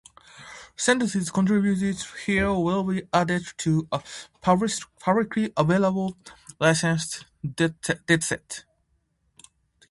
Sentences contributed here will be added to a publicly available licensed dataset.